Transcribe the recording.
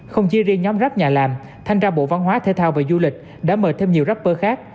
không chỉ riêng nhóm rap nhà làm thanh tra bộ văn hóa thể thao và du lịch đã mời thêm nhiều rắper khác